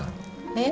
えっ？